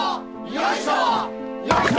よいしょ！